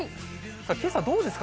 けさどうですか？